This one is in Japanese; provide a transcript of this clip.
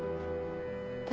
私？